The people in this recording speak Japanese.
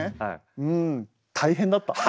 うん大変だった。